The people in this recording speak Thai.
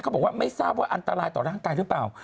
บอกว่าไม่ทราบว่าอันตรายต่อร่างกายหรือเปล่า